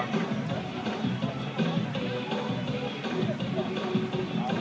ตรงตรงตรง